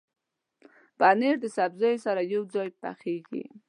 پنېر د سبزیو سره یوځای پخېږي.